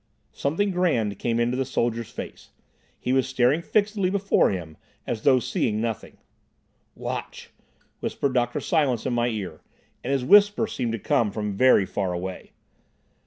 Something grand came into the soldier's face. He was staring fixedly before him, as though seeing nothing. "Watch," whispered Dr. Silence in my ear, and his whisper seemed to come from very far away.